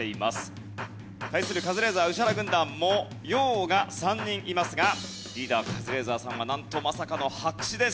対するカズレーザー＆宇治原軍団も「陽」が３人いますがリーダーカズレーザーさんはなんとまさかの白紙です。